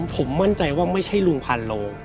ผมมั่นใจว่าไม่ใช่ลุงพันโล